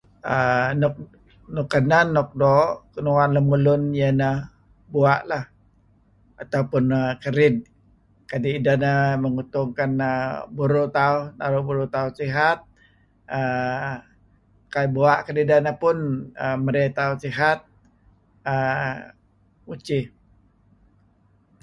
Nuk kanen nuk doo' kinun lemulun iah nah bua' lah ataupun kerid kadi' ideh neh menguntung burur tauh naru' burur tauh sihat uhm kayu' bua; kedideh neh pun marey tauh sihat uhm muchi.